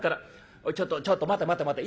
「おいちょっとちょっと待て待て待ていっいいんだ